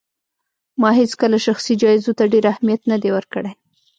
ما هيڅکله شخصي جايزو ته ډېر اهمیت نه دی ورکړی